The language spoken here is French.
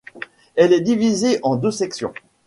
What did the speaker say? Elle est divisée en deux sections.